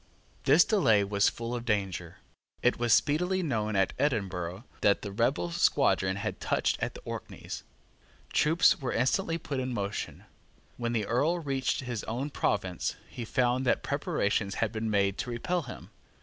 This delay was full of danger. It was speedily known at Edinburgh that the rebel squadron had touched at the Orkneys. Troops were instantly put in motion. When the Earl reached his own province, he found that preparations had been made to repel him.